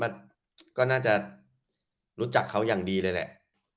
มันก็น่าจะรู้จักเขาอย่างดีเลยแหละ